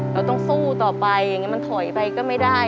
เราต้องสู้ต่อไปมันถอยไปก็ไม่ได้